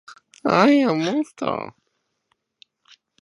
アイアムアモンスター